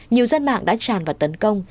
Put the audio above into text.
nhiều dân mạng đã tràn vào tấn công